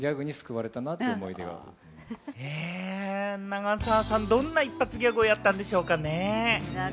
長澤さん、どんな一発ギャグをやったんでしょうかね。